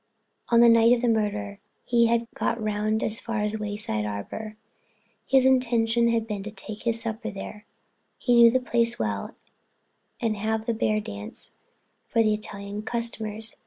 On the night of the murder he had got round as far as the Wayside Arbor. His intention had been to take his supper there—he knew the place well—and have the bear dance for the Italian customers.